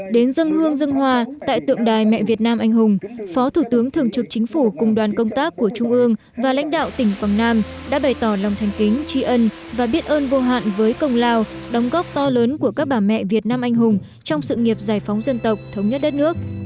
đến dân hương dân hoa tại tượng đài mẹ việt nam anh hùng phó thủ tướng thường trực chính phủ cùng đoàn công tác của trung ương và lãnh đạo tỉnh quảng nam đã bày tỏ lòng thành kính tri ân và biết ơn vô hạn với công lao đóng góp to lớn của các bà mẹ việt nam anh hùng trong sự nghiệp giải phóng dân tộc thống nhất đất nước